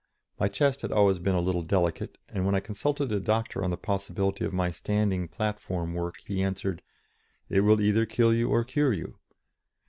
My chest had always been a little delicate, and when I consulted a doctor on the possibility of my standing platform work, he answered, "It will either kill you or cure you."